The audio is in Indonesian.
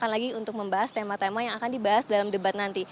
dan lagi untuk membahas tema tema yang akan dibahas dalam debat nanti